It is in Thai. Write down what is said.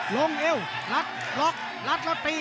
ลงเอวล็อกล็อกล็อกแล้วตี